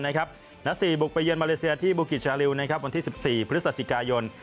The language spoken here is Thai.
นัด๔บุกไปเยือนมาเลเซียที่บุกิจชาลิววันที่๑๔พฤศจิกายน